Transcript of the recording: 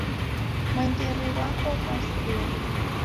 Mwengere ghwako ghwaseya